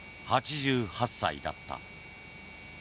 ８８歳だった。